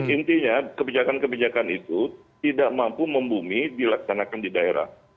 intinya kebijakan kebijakan itu tidak mampu membumi dilaksanakan di daerah